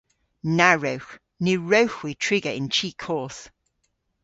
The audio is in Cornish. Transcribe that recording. Na wrewgh. Ny wrewgh hwi triga yn chi koth.